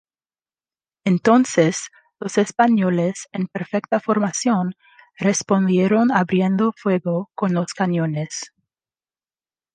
Entonces, los españoles, en perfecta formación, respondieron abriendo fuego con los cañones.